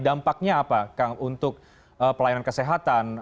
dampaknya apa kang untuk pelayanan kesehatan